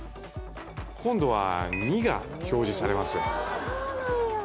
今度は２が表示されます